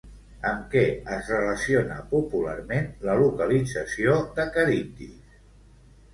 Amb què es relaciona, popularment, la localització de Caribdis?